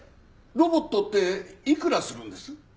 ロボットっていくらするんです？